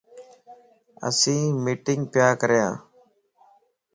اسين مٽينگ پيا ڪريان